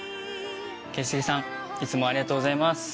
ＫーＳＵＫＥさんいつもありがとうございます。